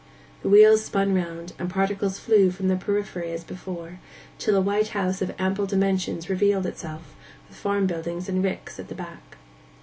The wheels spun round, and particles flew from their periphery as before, till a white house of ample dimensions revealed itself, with farm buildings and ricks at the back.